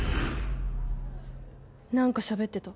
なんかしゃべってた。